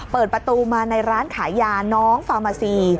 เปิดประตูมาในร้านขายยาน้องฟามาซี